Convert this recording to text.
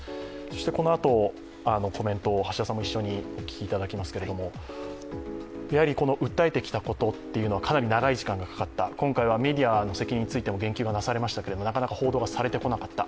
このあと、コメントを橋田さんも一緒にお聞きいただきますけども、この訴えてきたことというのは、長い時間がかかった今回はメディアの責任についても言及がなされましたけれども、なかなか報道がされてこなかった。